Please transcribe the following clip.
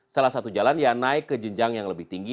salah satu jalan yang naik ke jenjang yang lebih tinggi